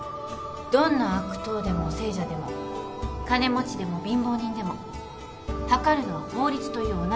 どんな悪党でも聖者でも金持ちでも貧乏人でも測るのは法律という同じ物差し